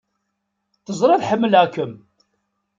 Teẓriḍ ḥemmleɣ-kem!